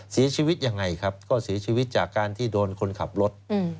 เสียชีวิตยังไงครับก็เสียชีวิตจากการที่โดนคนขับรถ